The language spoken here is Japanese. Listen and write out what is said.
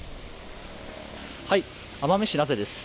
奄美市名瀬です